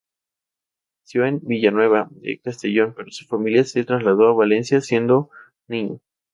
Nació en Villanueva de Castellón, pero su familia se trasladó a Valencia siendo niño.